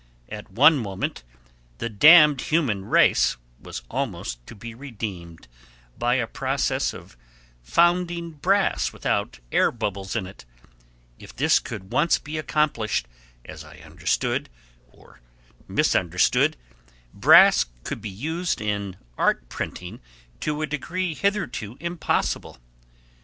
At one moment "the damned human race" was almost to be redeemed by a process of founding brass without air bubbles in it; if this could once be accomplished, as I understood, or misunderstood, brass could be used in art printing to a degree hitherto impossible.